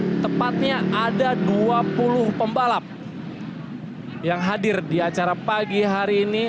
ini tepatnya ada dua puluh pembalap yang hadir di acara pagi hari ini